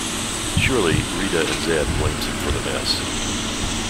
Surely, Rita and Zedd blames him for the mess.